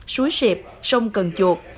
suối sịp sông cần chuột